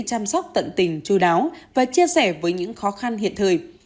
chăm sóc tận tình chú đáo và chia sẻ với những khó khăn hiện thời